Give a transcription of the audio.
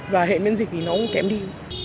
và hệ miễn dịch thì nó cũng kém đi